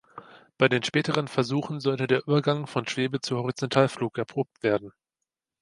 Bei den späteren Versuchen sollte der Übergang vom Schwebe- zum Horizontalflug erprobt werden.